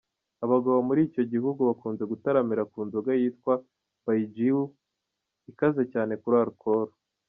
Abagabo muri icyo gihugu bakunze gutaramira ku nzoga yitwa Baijiu ikaze cyane kuri alcohol .